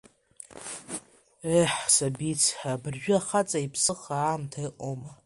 Еҳ, сабиц, абыржәы ахаҵа иԥсыха аамҭа ыҟоума!